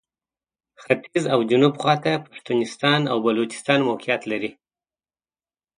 ختیځ او جنوب خواته پښتونستان او بلوچستان موقعیت لري.